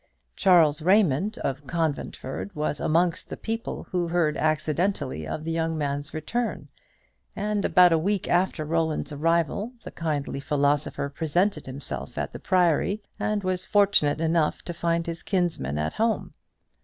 Charles Raymond of Conventford was amongst the people who heard accidentally of the young man's return; and about a week after Roland's arrival, the kindly philosopher presented himself at the Priory, and was fortunate enough to find his kinsman at home.